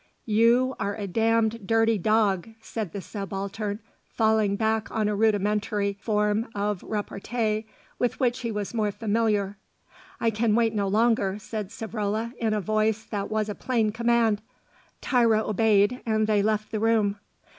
"You are a damned dirty dog," said the Subaltern falling back on a rudimentary form of repartee with which he was more familiar. "I can wait no longer," said Savrola in a voice that was a plain command. Tiro obeyed, and they left the room.